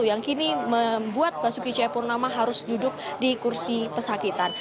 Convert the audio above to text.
yang kini membuat basuki cepurnama harus duduk di kursi pesakitan